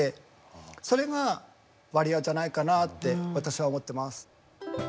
それがバリアじゃないかなって私は思ってます。